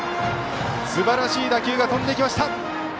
すばらしい打球が飛んでいきました。